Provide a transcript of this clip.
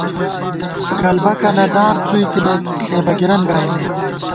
گلبَکَنہ دار څُوئی تنَئیت ، ݪے بَگِرَن گائیمېت